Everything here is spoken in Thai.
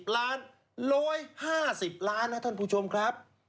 ๑๕๐ล้านนะท่านผู้ชมครับ